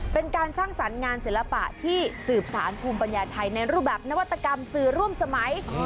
เป็นการสร้างสรรค์งานศิลปะที่สืบสารภูมิปัญญาไทยในรูปแบบนวัตกรรมสื่อร่วมสมัย